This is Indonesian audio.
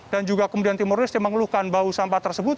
dan juga kemudian timuris yang mengeluhkan bau sampah tersebut